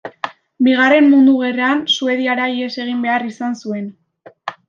Bigarren Mundu Gerran Suediara ihes egin behar izan zuen.